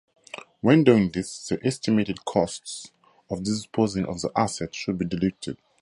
When doing this the estimated costs of disposing of the asset should be deducted.